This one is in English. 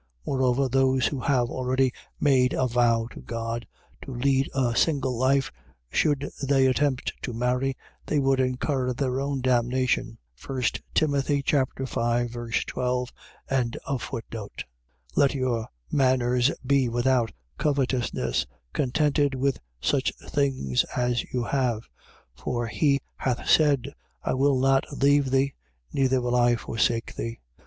Moreover, those who have already made a vow to God to lead a single life, should they attempt to marry, they would incur their own damnation. 1 Tim. 5. 12. 13:5. Let your manners be without covetousness, contented with such things as you have. For he hath said: I will not leave thee: neither will I forsake thee.